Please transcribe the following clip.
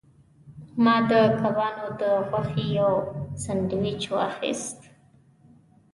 ما د کبانو د غوښې یو سانډویچ واخیست.